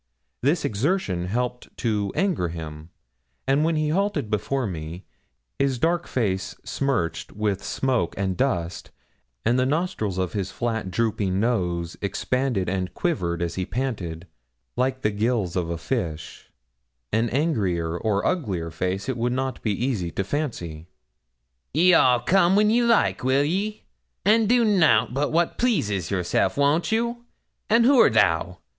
This exertion helped to anger him, and when he halted before me, his dark face smirched with smoke and dust, and the nostrils of his flat drooping nose expanded and quivered as he panted, like the gills of a fish; an angrier or uglier face it would not be easy to fancy. 'Ye'll all come when ye like, will ye? and do nout but what pleases yourselves, won't you? And who'rt thou?